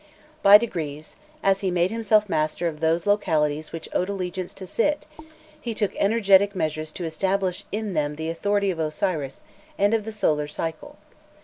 By degrees, as he made himself master of those localities which owed allegiance to Sit, he took energetic measures to establish in them the authority of Osiris and of the solar cycle.